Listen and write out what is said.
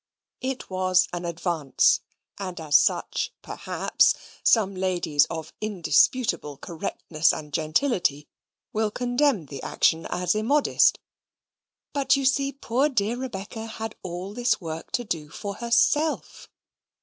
It was an advance, and as such, perhaps, some ladies of indisputable correctness and gentility will condemn the action as immodest; but, you see, poor dear Rebecca had all this work to do for herself.